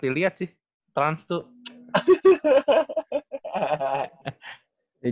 dilihat sih trans tuh